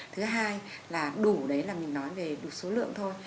thứ hai là đủ đấy là mình nói về đủ số lượng thôi